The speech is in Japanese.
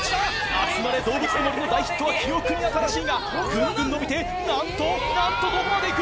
『あつまれどうぶつの森』の大ヒットは記憶に新しいがぐんぐん伸びてなんとなんとどこまで行く？